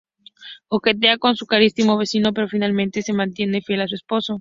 Coquetea con su carismático vecino, pero finalmente se mantiene fiel a su esposo.